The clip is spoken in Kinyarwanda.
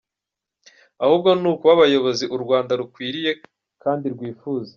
Ahubwo ni ukuba abayobozi u Rwanda rukwiriye kandi rwifuza.